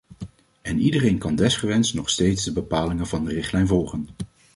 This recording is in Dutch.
En iedereen kan desgewenst nog steeds de bepalingen van de richtlijn volgen.